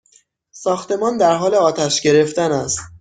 ساختمان در حال آتش گرفتن است!